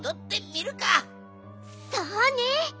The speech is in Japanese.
そうね。